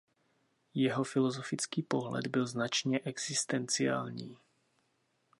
Jeho filosofický pohled byl značně existenciální.